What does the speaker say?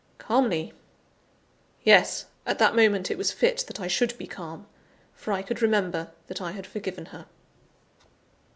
Calmly? Yes! at that moment it was fit that I should be calm; for I could remember that I had forgiven her.